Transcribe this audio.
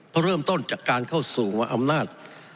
เพราะเริ่มต้นจากการเข้าสู่อำนาจ